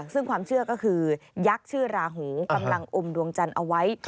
ซึ่งความเชื่อก็คือยักษ์ชื่อราหูกำลังอมดวงจันทร์เอาไว้